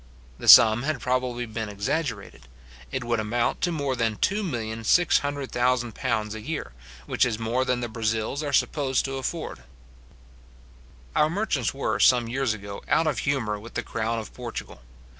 The sum had probably been exaggerated. It would amount to more than £2,600,000 a year, which is more than the Brazils are supposed to afford. Our merchants were, some years ago, out of humour with the crown of Portugal.